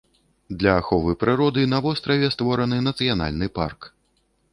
Для аховы прыроды на востраве створаны нацыянальны парк.